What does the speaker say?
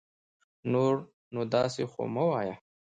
نور نو داسي خو مه وايه